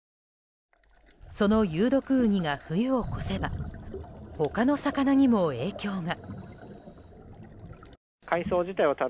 その有毒ウニが冬を越せば他の魚にも影響が。